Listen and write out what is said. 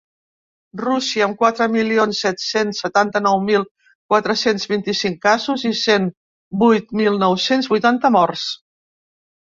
Rússia, amb quatre milions set-cents setanta-nou mil quatre-cents vint-i-cinc casos i cent vuit mil nou-cents vuitanta morts.